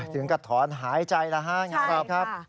ถึงกับถอนหายใจแล้วครับ